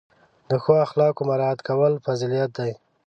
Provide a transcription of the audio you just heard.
د ښو اخلاقو مراعت کول فضیلت دی.